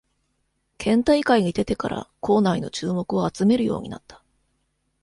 県大会に出てから校内の注目を集めるようになった